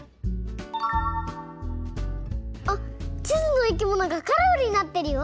あっちずのいきものがカラフルになってるよ。